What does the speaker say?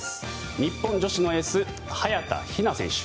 日本女子のエース早田ひな選手。